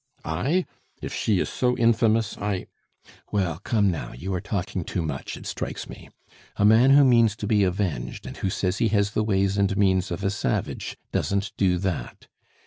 "I? If she is so infamous, I " "Well, come now, you are talking too much, it strikes me. A man who means to be avenged, and who says he has the ways and means of a savage, doesn't do that.